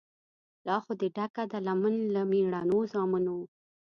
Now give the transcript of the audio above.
لا خو دي ډکه ده لمن له مېړنو زامنو